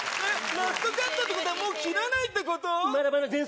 ラストカットってことはもう切らないってこと？